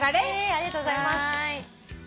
ありがとうございます。